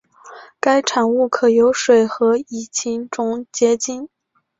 该产物可由水和乙腈重结晶。